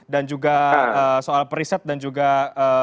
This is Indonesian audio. dan juga soal periset dan juga ilmu penelitian